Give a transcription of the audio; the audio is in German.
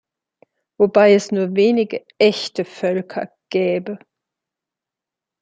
Wobei es nur wenige „echte Völker“ gäbe.